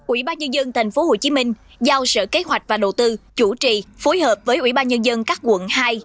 ubnd tp hcm giao sở kế hoạch và đầu tư chủ trì phối hợp với ubnd các quận hai